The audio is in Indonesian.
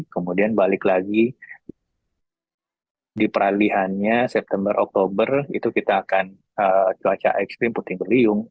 kemudian balik lagi di peralihannya september oktober itu kita akan cuaca ekstrim puting beliung